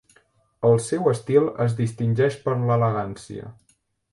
El seu estil es distingeix per l'elegància.